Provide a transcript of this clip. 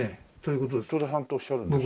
戸田さんとおっしゃるんですか？